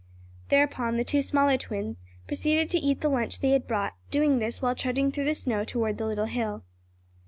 Thereupon the two smaller twins proceeded to eat the lunch they had brought, doing this while trudging through the snow toward the little hill.